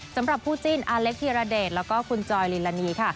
สำหรับผู้จีนอเล็กทีระเดชและคุณจอยลิลานีค่ะ